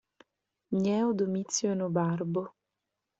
Gneo Domizio Enobarbo